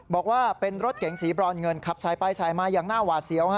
บอกว่าเป็นรถเก๋งสีบรอนเงินขับสายไปสายมาอย่างหน้าหวาดเสียว